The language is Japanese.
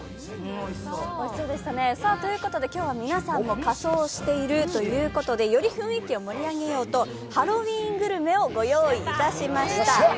ということで今日は皆さんも仮装しているということでより雰囲気を盛り上げようとハロウィーングルメをご用意しました。